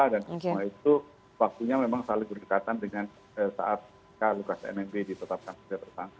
dan semua itu waktunya memang saling berdekatan dengan saat lukas nmb ditetapkan